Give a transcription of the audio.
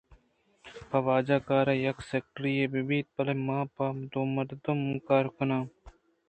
پہ واجہ کار ءَ یک سیکرٹری ئے بیت بلئے من پہ دو مردم ءَ کار کناں